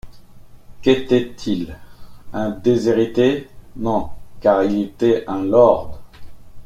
Qu’était-il? un déshérité ? non, car il était un lord.